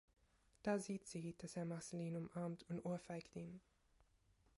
Da sieht sie, dass er Marceline umarmt, und ohrfeigt ihn.